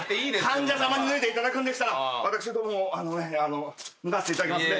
患者さまに脱いでいただくんでしたら私も脱がせていただきますね。